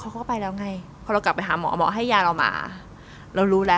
เขาก็ไปแล้วไงพอเรากลับไปหาหมอหมอให้ยาเราหมาเรารู้แล้ว